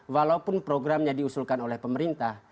walaupun programnya diusulkan oleh pemerintah